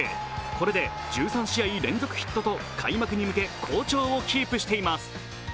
これで１３試合連続ヒットと開幕へ向け、好調をキープしています。